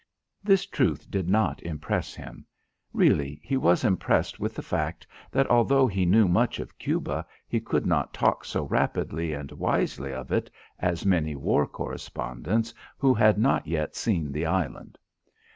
This truth did not impress him. Really, he was impressed with the fact that although he knew much of Cuba, he could not talk so rapidly and wisely of it as many war correspondents who had not yet seen the island.